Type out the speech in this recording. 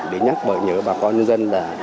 để nhắc nhớ bà con dân